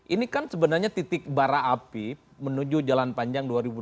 ini kan sebenarnya titik bara api menuju jalan panjang dua ribu dua puluh